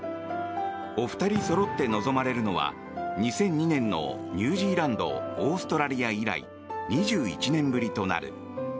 お二人そろって臨まれるのは２００２年のニュージーランドオーストラリア以来２１年ぶりとなる。